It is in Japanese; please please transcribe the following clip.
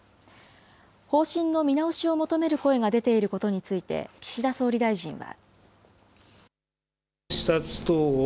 方針の見直しを求める声が出ていることについて、岸田総理大臣は。